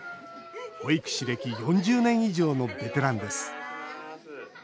保育士歴４０年以上のベテランです。